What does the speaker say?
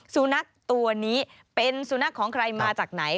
สุนัขตัวนี้เป็นสุนัขของใครมาจากไหน